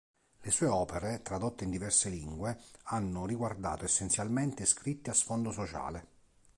Le sue opere, tradotte in diverse lingue, hanno riguardato essenzialmente scritti a sfondo sociale.